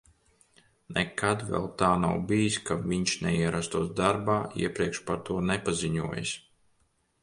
Nekad vēl tā nav bijis, ka viņš neierastos darbā, iepriekš par to nepaziņojis.